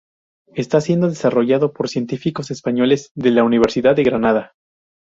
Está siendo desarrollado por científicos españoles de la Universidad de Granada.